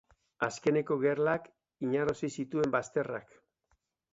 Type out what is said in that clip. Azkeneko gerlak inarrosi zituen bazterrak.